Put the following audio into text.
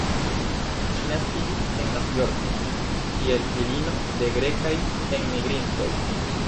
Ŝi naskiĝis en Novjorko, kiel filino de grekaj enmigrintoj.